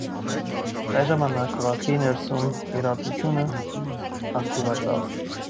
Այդ ժամանակ քաղաքի ներսում իրադրությունը ակտիվացավ։